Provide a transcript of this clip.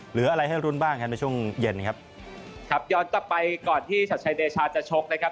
หรืออะไรให้รุ้นบ้างครับในช่วงเย็นครับครับย้อนกลับไปก่อนที่ชัดชัยเดชาจะชกนะครับ